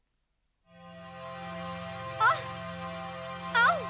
あっあん！